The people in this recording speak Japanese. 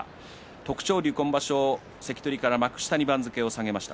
徳勝龍、今場所、関取から幕下に番付を下げました。